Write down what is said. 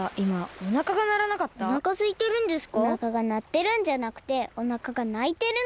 おなかがなってるんじゃなくておなかがないてるの。